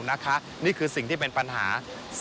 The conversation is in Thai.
นี่คือสิ่งที่เป็นปัญหา